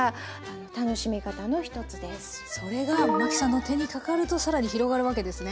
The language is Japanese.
それが麻紀さんの手にかかると更に広がるわけですね。